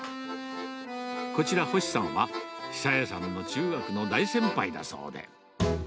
こちら、星さんは、久弥さんの中学の大先輩だそうで。